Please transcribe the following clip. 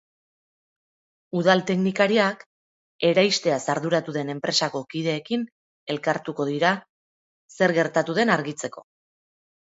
Udal teknikariak eraisteaz arduratu den enpresako kideekin elkartuko dira zer gertatu den argitzeko.